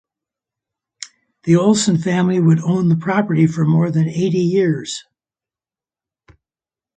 The Olsen family would own the property for more than eighty years.